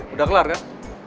udah kelar kan